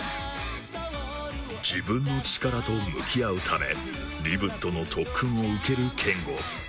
自分の力と向き合うためリブットの特訓を受けるケンゴ。